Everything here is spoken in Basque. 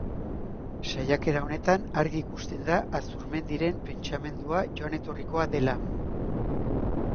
Saiakera honetan argi ikusten da Azurmendiren pentsamendua joan-etorrikoa dela.